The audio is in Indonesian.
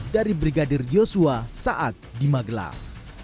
dari brigadir yosua saat di magelang